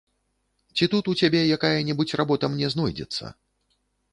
Ці тут у цябе якая-небудзь работа мне знойдзецца?